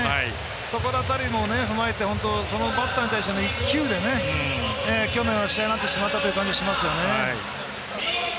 そこもふまえて本当、そのバッターに対しての１球で今日の試合になってしまったという感じがしますね。